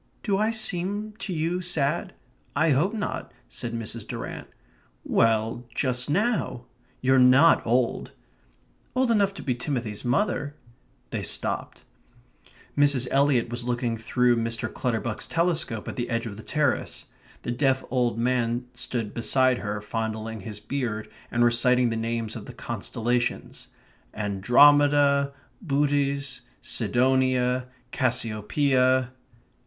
"Do I seem to you sad? I hope not," said Mrs. Durrant. "Well, just now. You're NOT old." "Old enough to be Timothy's mother." They stopped. Miss Eliot was looking through Mr. Clutterbuck's telescope at the edge of the terrace. The deaf old man stood beside her, fondling his beard, and reciting the names of the constellations: "Andromeda, Bootes, Sidonia, Cassiopeia...."